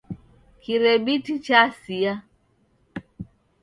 Kirebiti chasia.